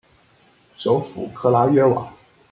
首府克拉约瓦。